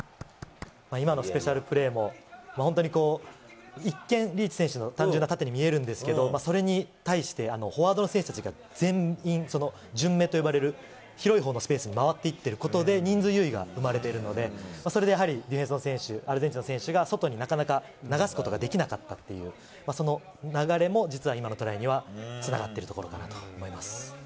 今のスペシャルプレーも、本当に一見、リーチ選手の単純な縦に見えるんですけど、それに対して、フォワードの選手たちが全員、順目と呼ばれる広い方のスペースに回っていってることで、人数優位が生まれているので、それでやはりディフェンスの選手、アルゼンチンの選手が外になかなか流すことができなかったっていう、その流れも実は今のトライにはつながったのかなと思います。